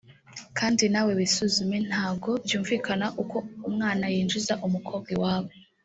kdi nawe wisuzume ntago byumvikana uko umwana yinjiza umukobwa iwabo